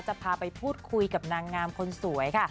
จะพาไปพูดคุยกับนางงามคนสวยค่ะ